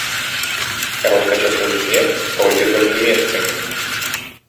Кароткачасовы снег пройдзе толькі месцамі.